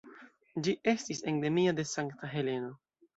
Ĝi estis endemia de Sankta Heleno.